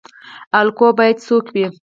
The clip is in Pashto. الګو باید څوک وي؟